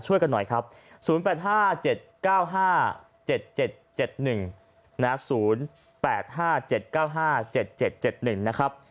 ช่วยกันหน่อยครับ๐๘๕๗๙๕๗๗๑๐๘๕๗๙๕๗๗๑นะครับ